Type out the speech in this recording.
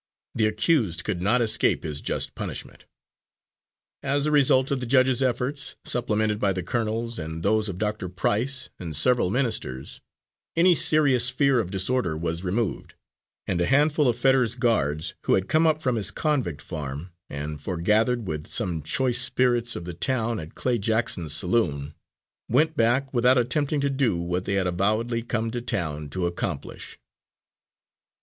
The accused could not escape his just punishment. As a result of the judge's efforts, supplemented by the colonel's and those of Doctor Price and several ministers, any serious fear of disorder was removed, and a handful of Fetters's guards who had come up from his convict farm and foregathered with some choice spirits of the town at Clay Jackson's saloon, went back without attempting to do what they had avowedly come to town to accomplish.